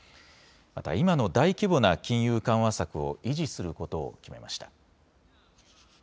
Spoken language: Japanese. また今の大規模な金融緩和策を維持することを決めました。